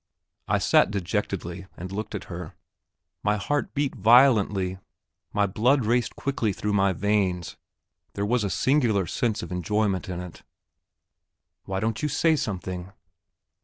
I sat dejectedly and looked at her; my heart beat violently, my blood raced quickly through my veins, there was a singular sense of enjoyment in it! "Why don't you say something?"